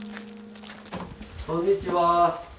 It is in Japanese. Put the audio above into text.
こんにちは。